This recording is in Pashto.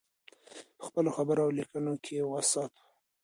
په خپلو خبرو او لیکنو کې یې وساتو.